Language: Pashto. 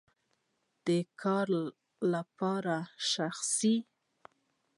د کار لپاره یا شخصی؟